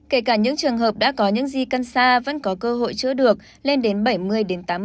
kể cả những trường hợp đã có những gì cần xa vẫn có cơ hội chữa được lên đến bảy mươi tám mươi